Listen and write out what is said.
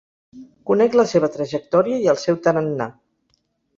Conec la seva trajectòria i el seu tarannà.